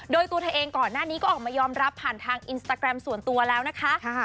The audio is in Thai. โดยตัวเธอเองก่อนหน้านี้ก็ออกมายอมรับผ่านทางอินสตาแกรมส่วนตัวแล้วนะคะ